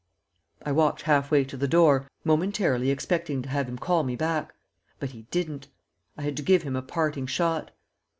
I walked half way to the door, momentarily expecting to have him call me back; but he didn't. I had to give him a parting shot.